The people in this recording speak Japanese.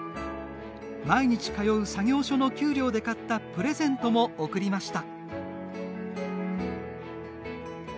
毎日通う作業所の給料で買ったプレゼントも贈りました。